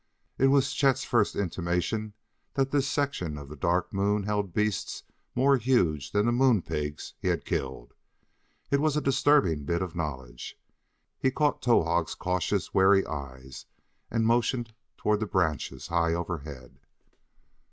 It was Chet's first intimation that this section of the Dark Moon held beasts more huge than the "Moon pigs" he had killed: it was a disturbing bit of knowledge. He caught Towahg's cautious, wary eyes and motioned toward the branches high overhead.